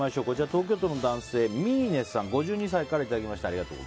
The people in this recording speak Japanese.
東京都の男性、５２歳の方からいただきました。